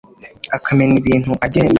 akamena ibintu agenda